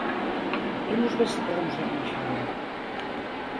Imos ver se podemos arranxala.